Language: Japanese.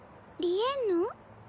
リエンヌ？